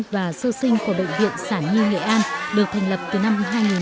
và sơ sinh của bệnh viện sản nhi nghệ an được thành lập từ năm hai nghìn một mươi